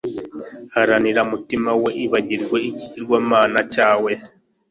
Haranira mutima we ibagirwa ikigirwamana cyawe